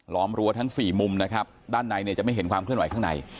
รั้วทั้งสี่มุมนะครับด้านในเนี่ยจะไม่เห็นความเคลื่อนไหวข้างใน